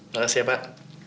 makasih ya pak